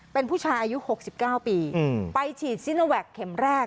เป็นผู้ชายอายุหกสิบเก้าปีอืมไปฉีดซินวัคเค็มแรก